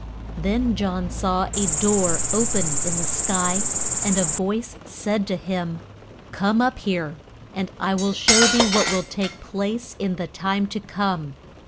Then John saw a door o pen in the sky, and a voice said to him, Come up here, and I will show thee what will take place in the time to come.